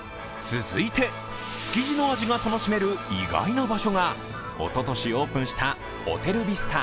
続いて、築地の味が楽しめる意外な場所がおととしオープンしたホテルビスタ